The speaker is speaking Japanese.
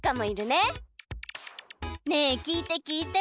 ねえきいてきいて！